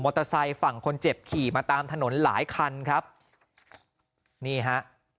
เตอร์ไซค์ฝั่งคนเจ็บขี่มาตามถนนหลายคันครับนี่ฮะ